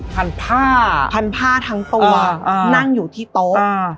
พันผ้าพันผ้าทั้งตัวนั่งอยู่ที่โต๊ะ